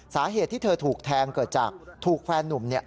สาเหตุที่เธอถูกแทงเกิดจากถูกแฟนนุ่ม